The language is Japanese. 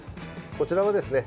こちらはですね